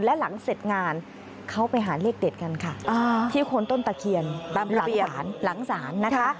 และหลังเสร็จงานเข้าไปหาเลขเดชกันค่ะที่โขนต้นตะเคียนหลังสารนะคะ